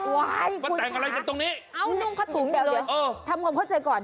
ว้ายคุณภาษานั่งข้าตรงนี้เลยเออทำความเข้าใจก่อน